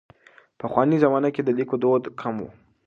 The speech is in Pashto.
پخوانۍ زمانه کې د لیکلو دود کم و.